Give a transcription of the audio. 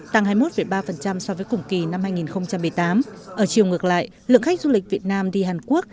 tăng hai mươi một ba so với cùng kỳ năm hai nghìn một mươi tám ở chiều ngược lại lượng khách du lịch việt nam đi hàn quốc